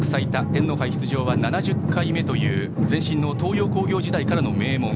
天皇杯出場は７０回目という前身の東洋工業時代からの名門。